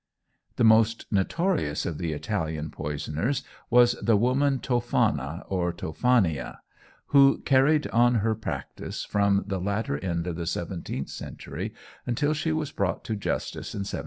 The most notorious of the Italian poisoners was the woman Toffana or Toffania, who carried on her practices from the latter end of the seventeenth century until she was brought to justice in 1709.